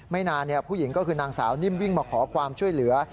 ไม่นานผู้หญิงก็คือนางสาวนิ่มวิ่งมาขอความช่วยเหลือ